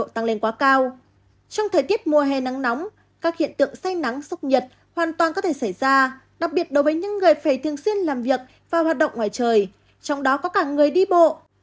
trong thời tiết mùa hè nắng nóng các hiện tượng say nắng sốc nhiệt hoàn toàn có thể xảy ra đặc biệt đối với những người phải thường xuyên làm việc và hoạt động ngoài trời trong đó có cả người đi bộ